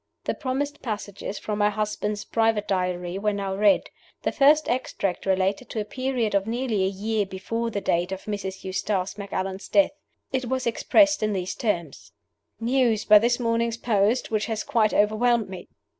The promised passages from my husband's private Diary were now read. The first extract related to a period of nearly a year before the date of Mrs. Eustace Macallan's death. It was expressed in these terms: "News, by this morning's post, which has quite overwhelmed me.